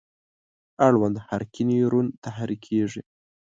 اړوند حرکي نیورون تحریکیږي.